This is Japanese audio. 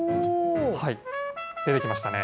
出てきましたね。